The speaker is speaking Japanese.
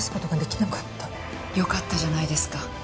よかったじゃないですか。